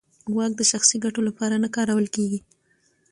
واک د شخصي ګټو لپاره نه کارول کېږي.